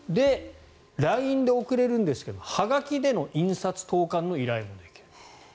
ＬＩＮＥで送れるんですけどはがきでの印刷・投函の依頼もできる。